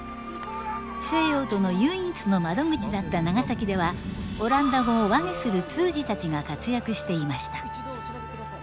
西洋との唯一の窓口だった長崎ではオランダ語を和解する通詞たちが活躍していました。